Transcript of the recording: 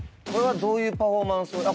これはどういうパフォーマンス？